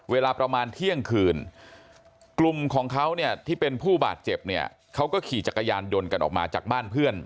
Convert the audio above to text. เวลาประมาณเที่ยงคืนกลุ่มของเขาเนี่ยที่เป็นผู้บาดเจ็บเนี่ยเขาก็ขี่จักรยานยนต์กันออกมาจากบ้านเพื่อน